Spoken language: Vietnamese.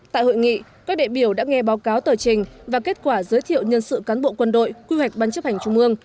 tại hội nghị các đệ biểu đã nghe báo cáo tờ trình và kết quả giới thiệu nhân sự cán bộ quân đội quy hoạch bán chấp hành trung ương